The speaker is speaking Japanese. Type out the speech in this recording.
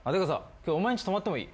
今日お前んち泊まってもいい？